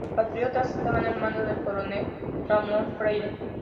Los patriotas estaban al mando del coronel Ramón Freire.